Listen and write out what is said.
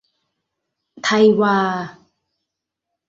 ไทยวา